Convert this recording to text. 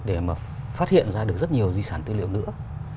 để mà phát hiện ra được rất nhiều di sản tư liệu nữa